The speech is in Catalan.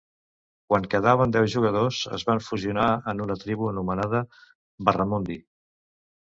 Quan quedaven deu jugadors, es van fusionar en una tribu, anomenada Barramundi.